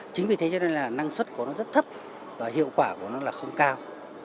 chính vì thế cho nên là năng suất của nó rất thấp và hiệu quả của nó là không cao